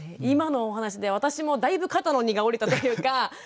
今のお話で私もだいぶ肩の荷が下りたというか。